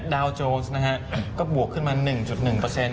ดาวโจรสนะฮะก็บวกขึ้นมา๑๑